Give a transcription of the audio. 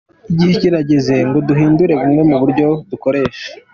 Igihe kirageze ngo duhindure bumwe mu buryo dukoresha.